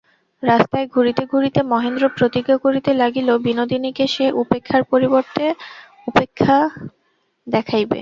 রাস্তায় ঘুরিতে ঘুরিতে মহেন্দ্র প্রতিজ্ঞা করিতে লাগিল, বিনোদিনীকে সে উপেক্ষার পরিবর্তে উপেক্ষা দেখাইবে।